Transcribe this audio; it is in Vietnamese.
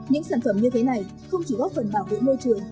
những sản phẩm như thế này không chỉ góp phần bảo vệ môi trường